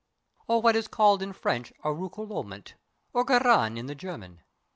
_ Or what is called in French a roucoulement, Or girren in the German.